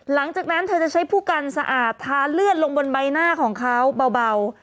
หลังจากนั้นเธอจะใช้ผู้กันสะอาดทาเลือดลงบนใบหน้าของเขาเบา